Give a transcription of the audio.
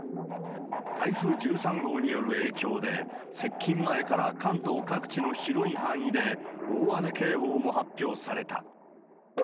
台風１３号による影響で、接近前から関東各地の広い範囲で、大雨警報も発表された。